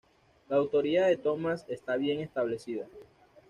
La autoría de Tomás está bien establecida.